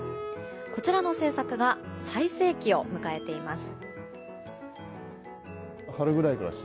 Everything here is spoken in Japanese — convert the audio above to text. こちらの制作が最盛期を迎えています。